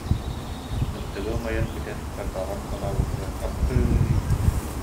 Тымтыга умайан бүтэн тарбаҕын салаабытыгар: «Абыта-ай